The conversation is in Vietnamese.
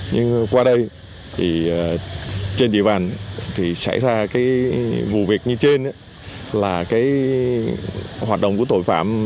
nhưng qua đây thì trên địa bàn thì xảy ra cái vụ việc như trên là cái hoạt động của tội phạm